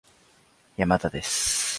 山田です